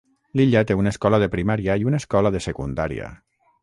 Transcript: L'illa té una escola de primària i una escola de secundària.